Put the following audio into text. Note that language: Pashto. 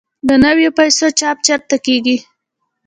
د نویو پیسو چاپ چیرته کیږي؟